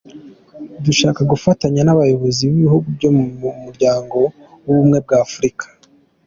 Dushaka gufatanya n’abayobozi b’ibihugu byo mu Muryango w’Ubumwe bwa Afurika.